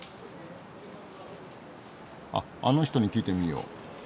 あっあの人に聞いてみよう。